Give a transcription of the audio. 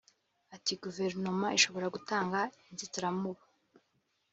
Ati “Guverinoma ishobora gutanga inzitaramubu